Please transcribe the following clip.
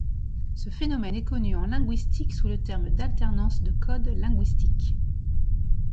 Ce phénomène est connu en linguistique sous le terme d'alternance de code linguistique.